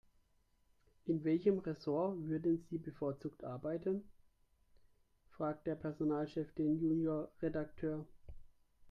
"In welchem Ressort würden Sie bevorzugt arbeiten?", fragte der Personalchef den Junior-Redakteur.